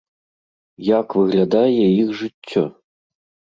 Як выглядае іх жыццё?